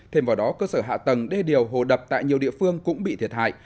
thêm vào đó cơ sở hạ tầng đê điều hồ đập tại nhiều địa phương cũng bị thiệt hại